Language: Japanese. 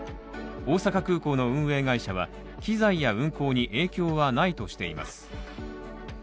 大阪空港の運営会社は、機材や運航に影響はないとしています。